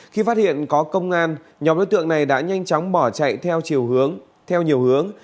khi phát hiện có công an nhóm đối tượng này đã nhanh chóng bỏ chạy theo nhiều hướng